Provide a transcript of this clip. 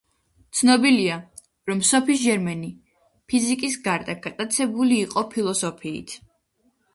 ცნობილია რომ სოფი ჟერმენი ფიზიკის გარდა გატაცებული იყო ფილოსოფიით.